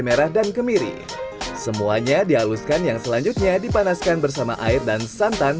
merah dan kemiri semuanya dihaluskan yang selanjutnya dipanaskan bersama air dan santan